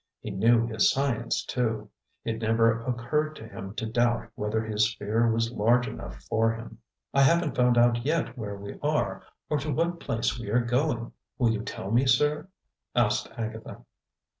He knew his science, too. It never occurred to him to doubt whether his sphere was large enough for him. "I haven't found out yet where we are, or to what place we are going. Will you tell me, sir?" asked Agatha.